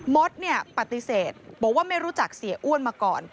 มดปฏิเสธบอกว่าไม่รู้จักเสียอ้วนมาก่อน